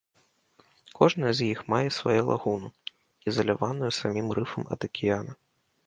Кожная з іх мае сваю лагуну, ізаляваную самім рыфам ад акіяна.